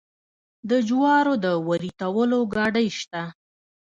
د جوارو د وریتولو ګاډۍ شته.